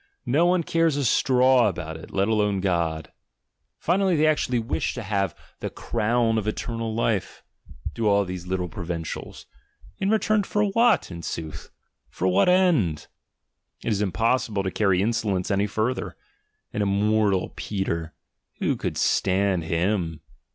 No one cares a straw about it— let alone God. Finally they actually wish to have "the crown of eternal life," do all these little provincials! In return for what, in sooth? For what end? It is impossible to carry insolence any further. An immortal Peter! who could stand him!